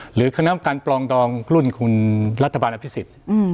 หรือคณะอัพการปลองดองรุ่นของคุณรัฐบาลอภิสิต